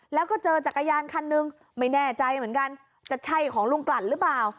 แล้วก็เจอจักรยานคันนึงไม่แน่ใจเหมือนกันจะใช่ของลุงกลั่นหรือเปล่า